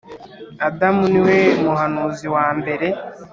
adamu ni we muhanuzi wa mbere.